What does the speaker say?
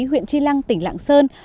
huyện tri lăng tỉnh lạng sơn